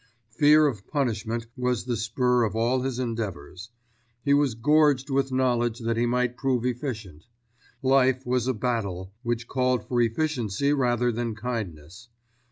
Fear of punishment was the spur of all his endeavours. He was gorged with knowledge that he might prove efficient. Life was a battle, which called for efficiency rather than kindness.